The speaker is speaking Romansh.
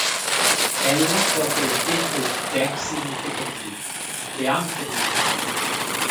Ella porta il tetel dètg significativ: «Beamtenmikado».